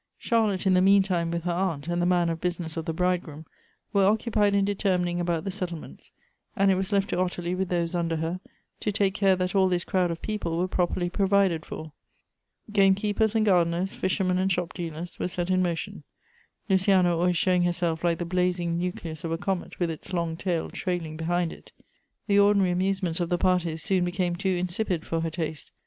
Charlotte, in the mean time, with her aunt, and the man of business of the bridegroom, were occupied in determining about the settlements, and it was lefl to Ottilie, with those under her, to take care that all this crowd of people were properly provided for. Game keepers and gardeners, fishermen and shopdealers, were set in motion, Luciana always showing herself like the blazing nucleus of a comet with its long tail trailing behind it. The ordinary amusements of the parties soon became too insipid for her taste.